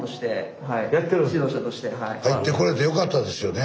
入ってこれてよかったですよね。